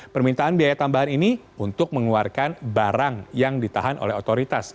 permintaan biaya tambahan ini untuk mengeluarkan barang yang ditahan oleh otoritas